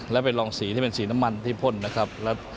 แล้วไปลองสีที่เป็นสีน้ำมันที่พ่นนะครับ